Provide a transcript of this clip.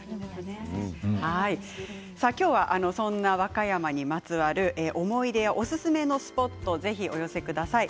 今日はそんな和歌山にまつわる思い出やおすすめのスポットをぜひお寄せください。